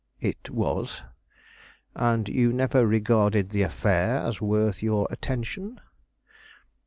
"It was." "And you never regarded the affair as worth your attention?"